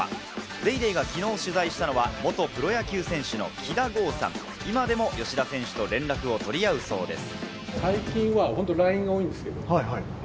『ＤａｙＤａｙ．』が昨日、取材したのは元プロ野球選手の喜田剛さん、今でも吉田選手と連絡を取り合うそうです。